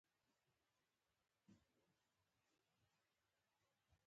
دو پوځونه سره مخامخ ول.